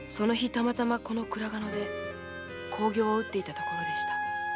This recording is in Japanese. たまたまこの倉賀野で興行を打っていたところでした。